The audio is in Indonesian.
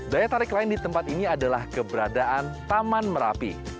daya tarik lain di tempat ini adalah keberadaan taman merapi